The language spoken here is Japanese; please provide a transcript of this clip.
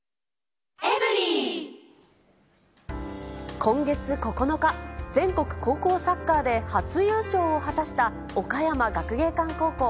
今月９日、全国高校サッカーで初優勝を果たした岡山学芸館高校。